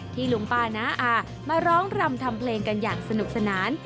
ลุงป้าน้าอามาร้องรำทำเพลงกันอย่างสนุกสนาน